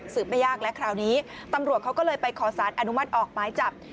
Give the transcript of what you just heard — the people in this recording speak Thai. ไม่ยากและคราวนี้ตำรวจเขาก็เลยไปขอสารอนุมัติออกหมายจับ